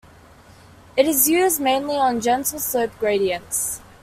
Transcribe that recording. It is used mainly on gentle slope gradients.